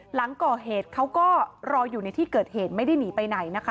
หลังก่อเหตุเขาก็รออยู่ในที่เกิดเหตุไม่ได้หนีไปไหนนะคะ